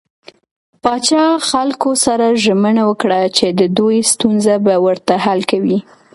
پاچا خلکو سره ژمنه وکړه چې د دوي ستونزې به ورته حل کوي .